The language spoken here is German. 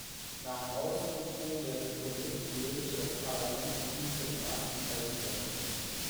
Nach Ausrufung der Republik wählte das Parlament ihn zum ersten Präsidenten.